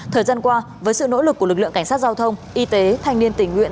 thời gian qua với sự nỗ lực của lực lượng cảnh sát giao thông y tế thanh niên tình nguyện